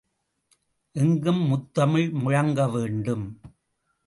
எங்கும் முத்தமிழ் முழங்கவேண்டும்.